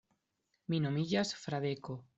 Mi nomiĝas Fradeko.